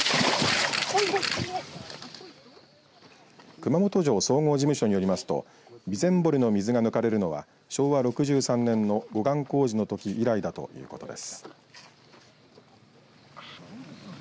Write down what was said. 熊本城総合事務所によりますと備前堀の水が抜かれるのは昭和６３年の護岸工事のとき以来だということです。